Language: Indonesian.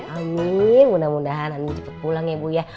amin mudah mudahan cepat pulang ya bu ya